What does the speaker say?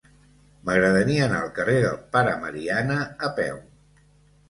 M'agradaria anar al carrer del Pare Mariana a peu.